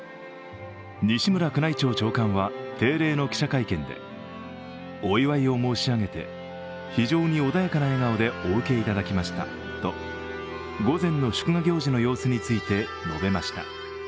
西村宮内庁長官は定例の記者会見でお祝いを申し上げて非常に穏やかな笑顔でお受けいただきましたと午前の祝賀行事の様子について述べました。